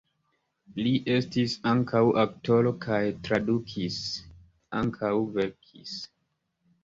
Li estis ankaŭ aktoro kaj tradukis, ankaŭ verkis.